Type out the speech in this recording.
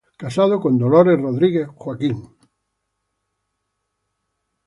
Casado con Dolores Rodríguez Joaquín.